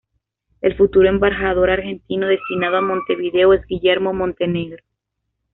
El futuro embajador argentino destinado a Montevideo es Guillermo Montenegro.